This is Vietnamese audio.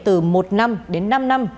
từ một năm đến năm năm